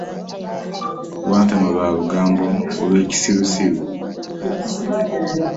Wantama lwa lugambo lwo olw'ekissiru.